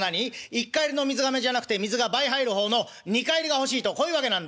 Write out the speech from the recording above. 一荷入りの水がめじゃなくて水が倍入る方の二荷入りが欲しいとこういうわけなんだ」。